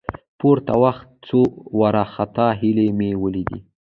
، پورته وختم، څو وارخطا هيلۍ مې ولېدې.